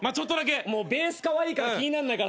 ベースカワイイから気になんないから。